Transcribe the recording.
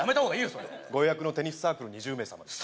それご予約のテニスサークル２０名様ですか？